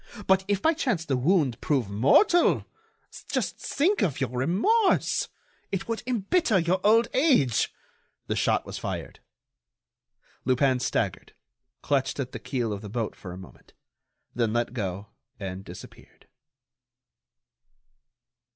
But if by chance the wound prove mortal? Just think of your remorse! It would embitter your old age." The shot was fired. Lupin staggered, clutched at the keel of the boat for a moment, then let go and disappeared.